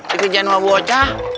di kejadian wabu ocah